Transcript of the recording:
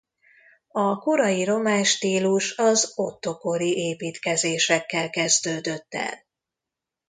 A korai román stílus az Otto–kori építkezésekkel kezdődött el.